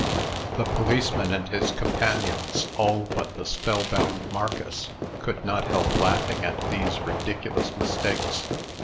The policeman and his companions, all but the spell bound Marcus, could not help laughing at these ridiculous mistakes.